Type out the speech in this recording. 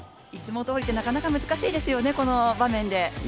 いつもどおりって、なかなか難しいですよね、この場面で。